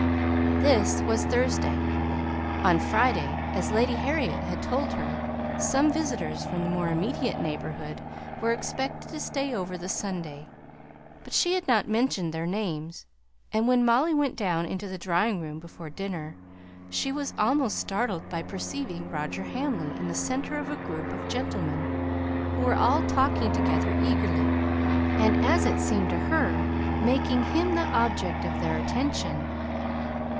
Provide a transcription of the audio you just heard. This was Thursday; on Friday, as Lady Harriet had told her, some visitors from the more immediate neighbourhood were expected to stay over the Sunday; but she had not mentioned their names, and when Molly went down into the drawing room before dinner, she was almost startled by perceiving Roger Hamley in the centre of a group of gentlemen, who were all talking together eagerly, and, as it seemed to her, making him the object of their attention.